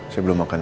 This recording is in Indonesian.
saya belum makan